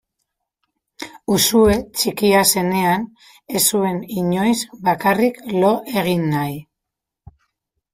Uxue txikia zenean ez zuen inoiz bakarrik lo egin nahi.